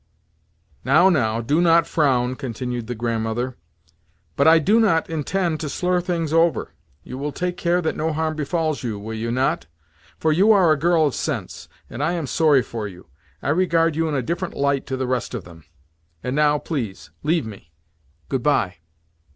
"Now, now! Do not frown," continued the Grandmother. "But I do not intend to slur things over. You will take care that no harm befalls you, will you not? For you are a girl of sense, and I am sorry for you—I regard you in a different light to the rest of them. And now, please, leave me. Good bye."